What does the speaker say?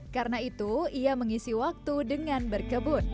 karena itu ia mengisi waktu dengan berkebun